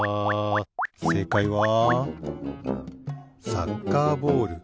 せいかいはサッカーボール。